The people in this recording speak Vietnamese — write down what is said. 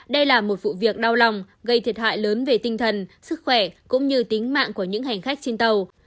đây là một vụ việc đau lòng gây thiệt hại lớn về tinh thần sức khỏe cũng như tính mạng của những hành khách trên tàu